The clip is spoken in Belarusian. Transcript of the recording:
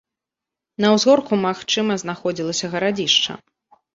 На ўзгорку, магчыма, знаходзілася гарадзішча.